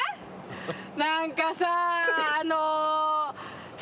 何かさあの。